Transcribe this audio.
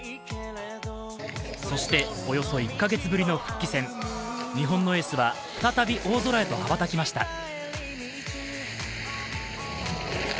そしておよそ１カ月ぶりの復帰戦、日本のエースは再び大空へを羽ばたきました。